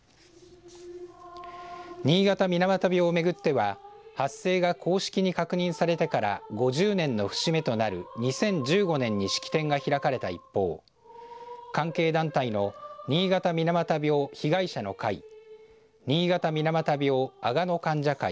新潟水俣病を巡っては発生が公式に確認されてから５０年の節目となる２０１５年に式典が開かれた一方関係団体の新潟水俣病被害者の会新潟水俣病阿賀野患者会